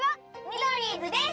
ミドリーズです！